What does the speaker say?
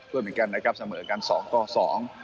ด้วยเหมือนกันนะครับเสมออย่างกัน๒ต่อ๒